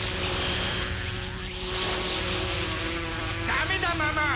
ダメだママ！